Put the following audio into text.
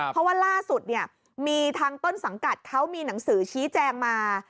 เพราะว่าล่าสุดเนี่ยมีทางต้นสังกัดเขามีหนังสือชี้แจงมา